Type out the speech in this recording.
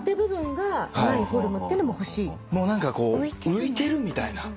浮いてるみたいな。